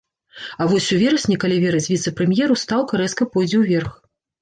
А вось у верасні, калі верыць віцэ-прэм'еру, стаўка рэзка пойдзе ўверх.